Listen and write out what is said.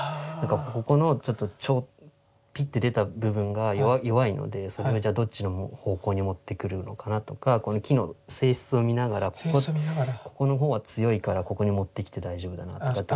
ここのピッて出た部分が弱いのでそれをじゃあどっちの方向に持ってくるのかなとかこの木の性質を見ながらここの方は強いからここに持ってきて大丈夫だなとかって。